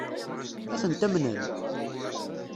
Ad tent-amnen?